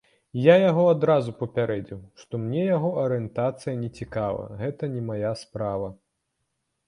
Я яго адразу папярэдзіў, што мне яго арыентацыя не цікавая, гэта не мая справа.